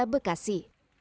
di kota bekasi